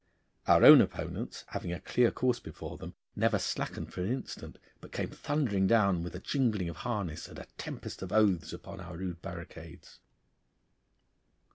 Our own opponents, having a clear course before them, never slackened for an instant, but came thundering down with a jingling of harness and a tempest of oaths upon our rude barricades.